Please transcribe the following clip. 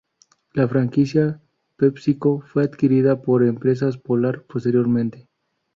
La franquicia Pepsico fue adquirida por Empresas Polar posteriormente.